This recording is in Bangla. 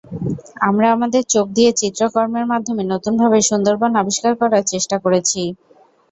আমরা আমাদের চোখ দিয়ে চিত্রকর্মের মাধ্যমে নতুনভাবে সুন্দরবন আবিষ্কার করার চেষ্টা করেছি।